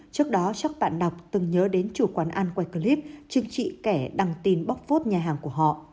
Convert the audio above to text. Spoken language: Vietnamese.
trước đó chắc bạn đọc từng nhớ đến chủ quán ăn quay clip chừng trị kẻ đăng tin bóc phốt nhà hàng của họ